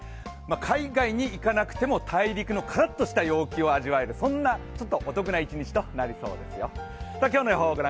海外に行かなくても大陸のカラッとした陽気を味わえるそんなお得な一日となりそうです。